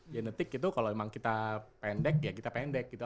genetik itu kalau memang kita pendek ya kita pendek gitu